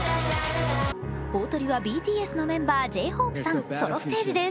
大トリはＢＴＳのメンバーＪ−ＨＯＰＥさんソロステージです。